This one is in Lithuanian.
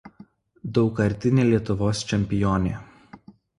Daugkartinė Lietuvos čempionė.